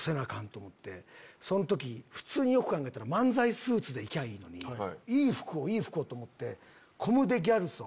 その時普通によく考えたら漫才スーツで行きゃあいいのにいい服をいい服を！と思って。